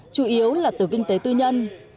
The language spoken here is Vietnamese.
chủ yếu là từ kinh tế tư nhân